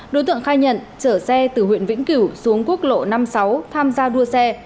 đối tượng khai nhận chở xe từ huyện vĩnh cửu xuống quốc lộ năm mươi sáu tham gia đua xe